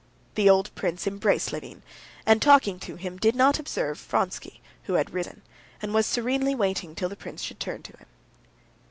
The old prince embraced Levin, and talking to him did not observe Vronsky, who had risen, and was serenely waiting till the prince should turn to him.